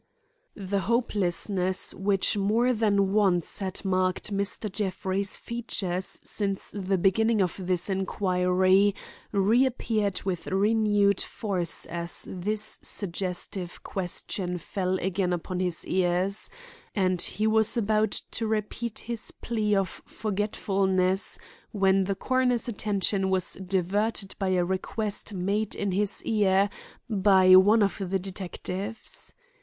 The hopelessness which more than once had marked Mr. Jeffrey's features since the beginning of this inquiry, reappeared with renewed force as this suggestive question fell again upon his ears; and he was about to repeat his plea of forgetfulness when the coroner's attention was diverted by a request made in his ear by one of the detectives.